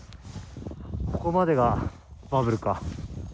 ここまでがバブルか。